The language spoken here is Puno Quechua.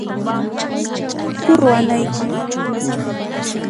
Kaychu ruwanayki?